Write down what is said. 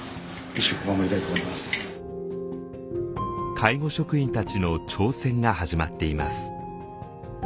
介護職員たちの挑戦が始まっています。